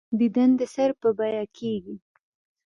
دیدن د سر په بیعه کېږي.